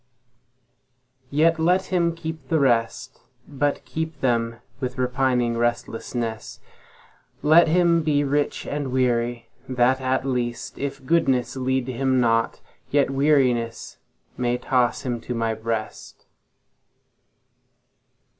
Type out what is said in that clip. Yet let him keep the rest, But keep them with repining restlessness; Let him be rich and weary, that at least, If goodness lead him not, yet wearinessMay toss him to My breast.